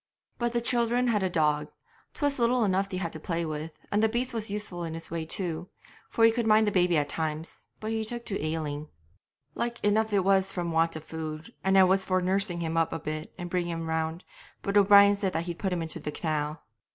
But the children had a dog, 'twas little enough they had to play with, and the beast was useful in his way too, for he could mind the baby at times; but he took to ailing like enough it was from want of food, and I was for nursing him up a bit and bringing him round, but O'Brien said that he'd put him into the canal.